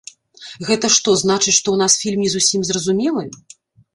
Гэта што, значыць, што ў нас фільм не зусім зразумелы?